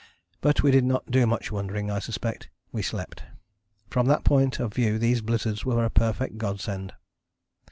But we did not do much wondering, I suspect: we slept. From that point of view these blizzards were a perfect Godsend.